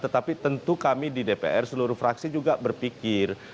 tetapi tentu kami di dpr seluruh fraksi juga berpikir